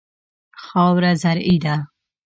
خاوره زرعي ده.